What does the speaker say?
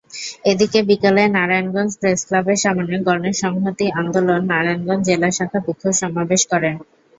এদিকে বিকেলে নারায়ণগঞ্জ প্রেসক্লাবের সামনে গণসংহতি আন্দোলন নারায়ণগঞ্জ জেলা শাখা বিক্ষোভ সমাবেশ করে।